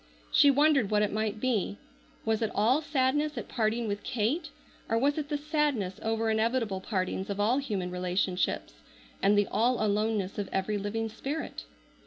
She wondered what it might be. Was it all sadness at parting with Kate, or was it the sadness over inevitable partings of all human relationships, and the all aloneness of every living spirit?